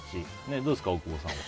どうですか、大久保さんは。